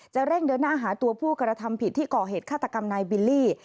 เร่งเดินหน้าหาตัวผู้กระทำผิดที่ก่อเหตุฆาตกรรมนายบิลลี่